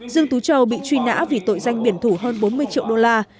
dương tú châu bị truy nã vì tội danh biển thủ hơn bốn mươi triệu đô la